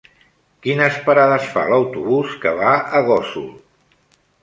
Quines parades fa l'autobús que va a Gósol?